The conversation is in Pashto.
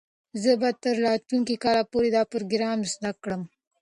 زه به تر راتلونکي کال پورې دا پروګرام زده کړم.